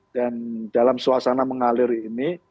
dan dalam suasana mengalir ini